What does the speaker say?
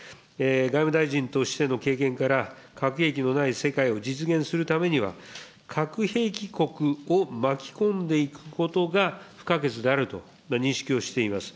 外務大臣としての経験から、核兵器のない世界を実現するためには、核兵器国を巻き込んでいくことが不可欠であると認識をしております。